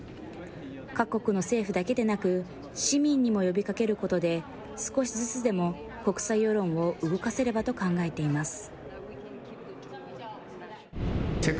各国の政府だけでなく、市民にも呼びかけることで、少しずつでも、国際世論を動かせればと考えています。